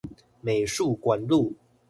美術館路